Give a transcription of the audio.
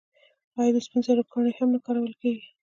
آیا د سپینو زرو ګاڼې هم نه کارول کیږي؟